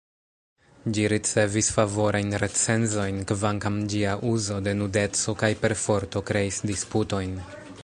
Ĝi ricevis favorajn recenzojn, kvankam ĝia uzo de nudeco kaj perforto kreis disputojn.